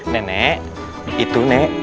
nenek itu nek